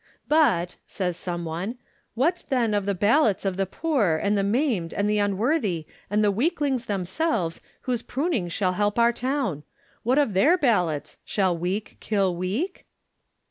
"But," says some one, "what then of the ballots of the poor and the maimed and the unworthy and the weaklings themselves whose pruning shall help our town? What of their ballots? Shall weak kill weak?"